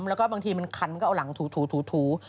แล้วก็บางทีมันคันมันก็เอาหลังถู